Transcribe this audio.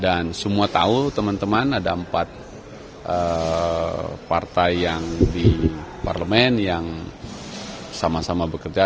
dan semua tahu teman teman ada empat partai yang di parlemen yang sama sama bekerja